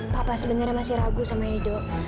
papa sebenarnya masih ragu sama ibu